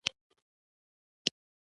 دغه پیغام یې د هیواد د بقا سره تړلی ګاڼه.